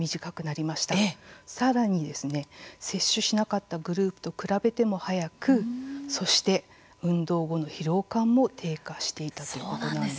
さらに摂取しなかったグループと比べても速くそして運動後の疲労感も低下していたということなんです。